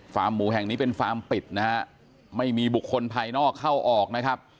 หมูแห่งนี้เป็นฟาร์มปิดนะฮะไม่มีบุคคลภายนอกเข้าออกนะครับ